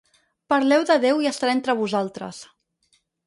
Parleu de Déu i estarà entre vosaltres.